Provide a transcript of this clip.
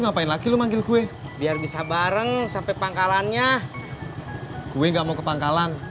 ngapain lagi lu manggil kue biar bisa bareng sampai pangkalannya kue gak mau ke pangkalan